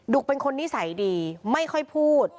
เป็นคนนิสัยดีไม่ค่อยพูด